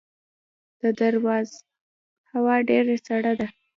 د درواز هوا ډیره سړه ده